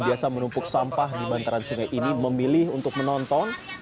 justru warga memilih untuk menonton